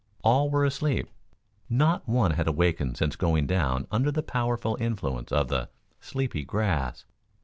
All were asleep. Not one had awakened since going down under the powerful influence of the "sleepy grass."